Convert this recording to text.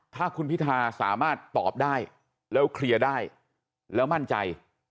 ถ้าคุณพิธาสามารถตอบได้แล้วเคลียร์ได้แล้วมั่นใจ